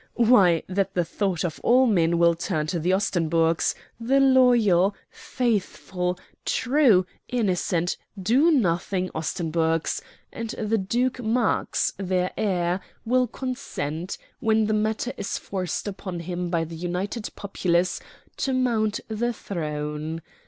Why, that the thoughts of all men will turn to the Ostenburgs the loyal, faithful, true, innocent, do nothing Ostenburgs and the Duke Marx, their heir, will consent, when the matter is forced upon him by the united populace, to mount the throne.